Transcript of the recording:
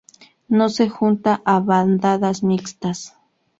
No se junta a bandadas mixtas.